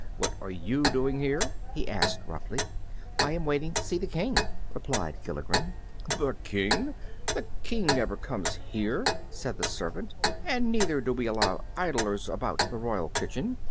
"What are you doing here?" he asked, roughly. "I am waiting to see the King," replied Gilligren. "The King! The King never comes here," said the servant; "and neither do we allow idlers about the royal kitchen.